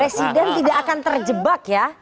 presiden tidak akan terjebak ya